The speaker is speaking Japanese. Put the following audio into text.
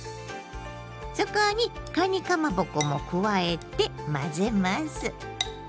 そこにかにかまぼこも加えて混ぜます。